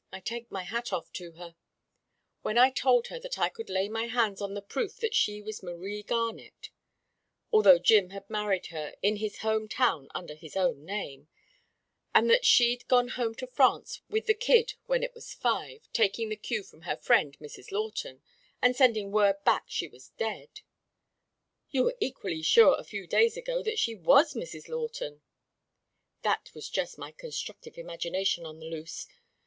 I take off my hat to her. When I told her that I could lay hands on the proof that she was Marie Garnett although Jim had married her in his home town under his own name and that she'd gone home to France with the kid when it was five, taking the cue from her friend, Mrs. Lawton, and sending word back she was dead " "You were equally sure a few days ago that she was Mrs. Lawton " "That was just my constructive imagination on the loose.